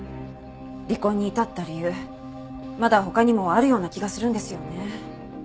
離婚に至った理由まだ他にもあるような気がするんですよね。